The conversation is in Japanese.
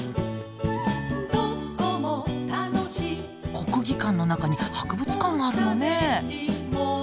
国技館の中に博物館があるのね。